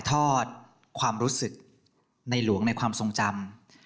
ทอดความรู้สึกในหลวงในความทรงจำ